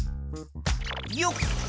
よっ！